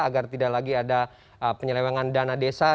agar tidak lagi ada penyelewengan dana desa